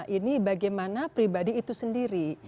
ini bagaimana pribadi itu sendiri